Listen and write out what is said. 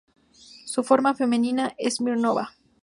Su forma femenina es Smirnova.